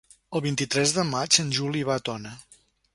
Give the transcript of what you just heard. El vint-i-tres de maig en Juli va a Tona.